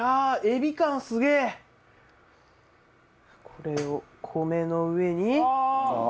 これを米の上に。